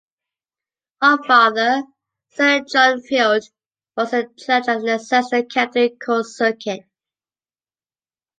Her father, Sir John Field, was the judge of Leicester County Court Circuit.